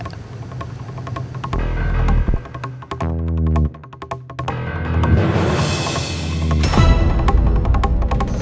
tunggu aku mau cari